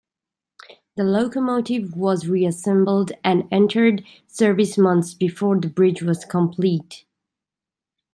The locomotive was re-assembled and entered service months before the bridge was complete.